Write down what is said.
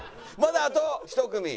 まだあと１組。